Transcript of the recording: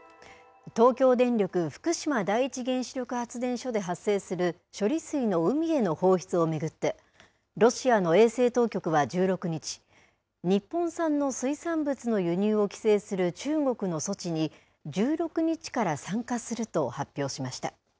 東京電力福島第一原子力発電所で発生する処理水の海への放出を巡って、ロシアの衛生当局は１６日、日本産の水産物の輸入を規制する中国の措置に、１６日から参加すると発表しました。